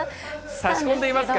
差し込んでいますか？